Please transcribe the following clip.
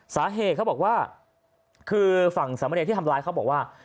สาเหตุเขาบอกว่าคือฝั่งสามเณรที่ทำร้ายเขาบอกว่า